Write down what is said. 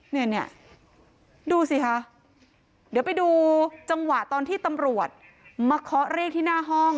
เนี่ยดูสิคะเดี๋ยวไปดูจังหวะตอนที่ตำรวจมาเคาะเรียกที่หน้าห้อง